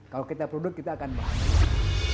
kalau kita produktif kita akan baik